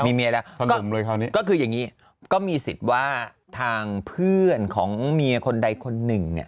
มีเมียแล้วก็คืออย่างนี้ก็มีสิทธิ์ว่าทางเพื่อนของเมียคนใดคนหนึ่ง